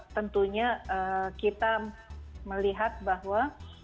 tentunya kita melihat bahwa